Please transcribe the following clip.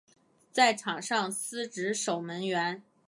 在场上司职守门员。